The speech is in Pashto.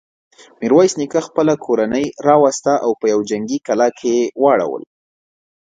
ميرويس نيکه خپله کورنۍ راوسته او په يوه جنګي کلا کې يې واړول.